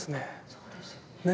そうですよね。